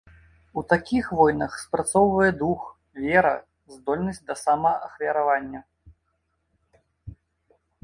У такіх войнах спрацоўвае дух, вера, здольнасць да самаахвяравання.